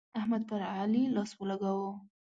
احمد پر علي لاس ولګاوو.